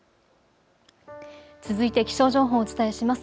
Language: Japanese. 続いて気象情報をお伝えします。